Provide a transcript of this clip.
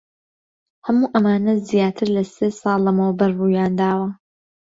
هەموو ئەمانە زیاتر لە سێ ساڵ لەمەوبەر ڕوویان داوە.